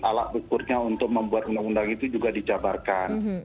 alat ukurnya untuk membuat undang undang itu juga dijabarkan